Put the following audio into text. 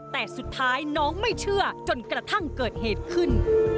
แต่สุดท้ายน้องไม่เชื่อจนกระทั่งเกิดเหตุขึ้น